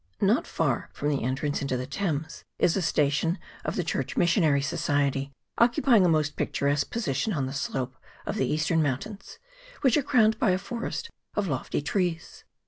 Not far from the entrance into the Thames is a station of the Church Missionary Society, occupy ing a most picturesque position on the slope of the eastern mountains, which are crowned by a forest of lofty trees.